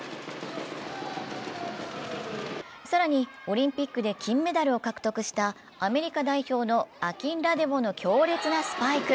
更にオリンピックで金メダルを獲得したアメリカ代表のアキンラデウォの強烈なスパイク。